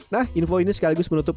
nah info ini sekaligus menutup